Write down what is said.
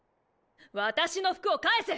私の服を返せ！